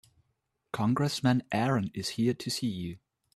Congressman Aaron is here to see you.